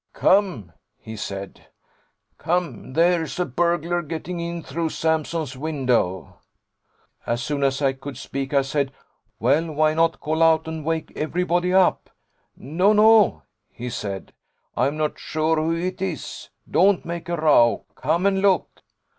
"Come," he said, "come! there's a burglar getting in through Sampson's window." As soon as I could speak, I said, "Well, why not call out and wake everybody up?" "No, no," he said, "I'm not sure who it is: don't make a row: come and look."